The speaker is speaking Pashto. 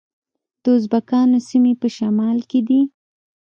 د ازبکانو سیمې په شمال کې دي